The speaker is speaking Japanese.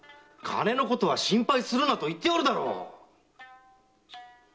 金のことは心配するなと言っておるだろう！